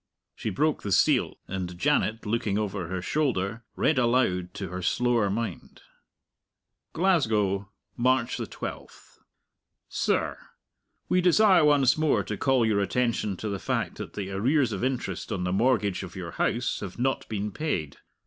She broke the seal, and Janet, looking over her shoulder, read aloud to her slower mind: "GLASGOW, March 12, 18 . "SIR, We desire once more to call your attention to the fact that the arrears of interest on the mortgage of your house have not been paid.